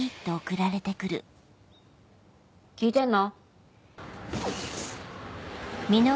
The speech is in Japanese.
聞いてんの？